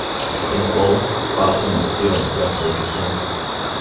In the fall, Barton and Steele left All Japan.